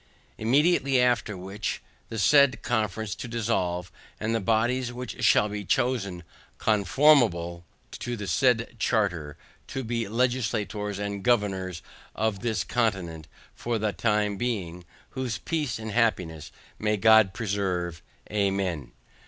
Immediately after which, the said Conference to dissolve, and the bodies which shall be chosen comformable to the said charter, to be the legislators and governors of this continent for the time being: Whose peace and happiness, may God preserve, Amen.